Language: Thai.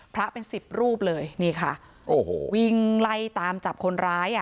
พระเป็นสิบรูปเลยนี่ค่ะโอ้โหวิ่งไล่ตามจับคนร้ายอ่ะ